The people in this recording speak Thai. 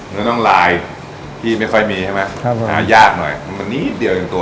เนื้อน้องลายที่ไม่ค่อยมีใช่ไหมครับผมอ่ายากหน่อยมันนิดเดียวจริงตัว